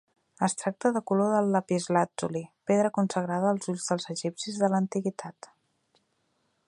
Es tracta de color del lapislàtzuli, pedra consagrada als ulls dels egipcis de l'antiguitat.